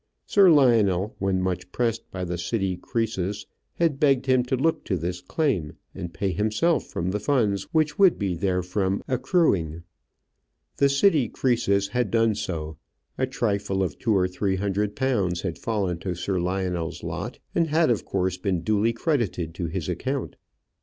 Sir Lionel, when much pressed by the city Croesus, had begged him to look to this claim, and pay himself from the funds which would be therefrom accruing. The city Croesus had done so: a trifle of two or three hundred pounds had fallen to Sir Lionel's lot, and had of course been duly credited to his account.